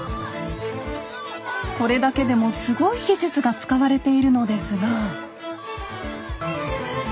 これだけでもすごい技術が使われているのですが。